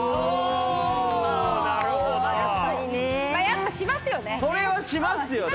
やっぱしますよね！